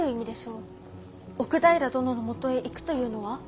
奥平殿のもとへ行くというのは？